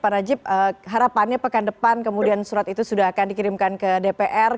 pak najib harapannya pekan depan kemudian surat itu sudah akan dikirimkan ke dpr